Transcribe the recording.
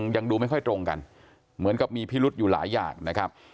ยังดูไม่ค่อยตรงกันเหมือนกับมีพิรุธอยู่หลายอย่างนะครับ